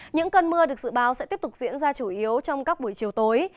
những cơn mưa được dự báo sẽ tiếp tục diễn ra chủ yếu trong các buổi chiều tối